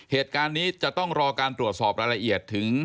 เหตุการณ์นี้จะต้องรอการตรวจสอบรายละเอียดถึง